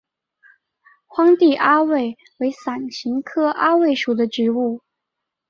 荒地阿魏为伞形科阿魏属的植物。